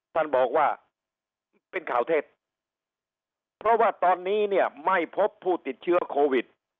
ท่านบอกว่าเป็นข่าวเทศเพราะว่าตอนนี้เนี่ยไม่พบผู้ติดเชื้อโควิด